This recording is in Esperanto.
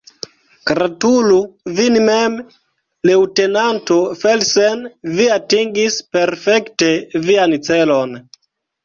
Gratulu vin mem, leŭtenanto Felsen, vi atingis perfekte vian celon!